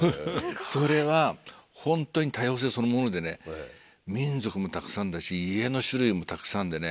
それはホントに多様性そのものでね民族もたくさんだし家の種類もたくさんでね